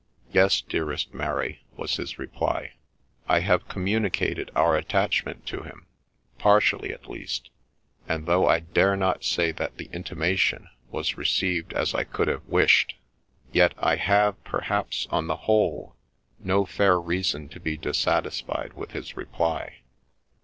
' Yes, dearest Mary,' was his reply, ' I have communicated our attachment to him, partially at least ; and though I dare not say that the intimation was received as I could have wished, yet I have, perhaps, on the whole, no fair reason to be dissatisfied with his reply.